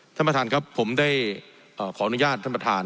ท่านประธานครับผมได้ขออนุญาตท่านประธาน